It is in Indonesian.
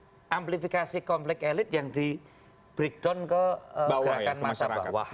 bagaimana amplifikasi konflik elit yang di breakdown ke masyarakat bawah